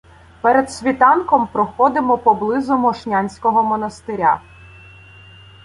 Перед світанком проходимо поблизу Мошнянського монастиря.